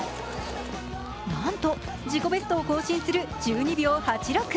なんと自己ベストを更新する１２秒８６。